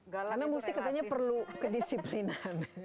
karena musik katanya perlu kedisiplinan